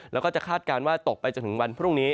แล้วก็จะคาดการณ์ว่าตกไปจนถึงวันพรุ่งนี้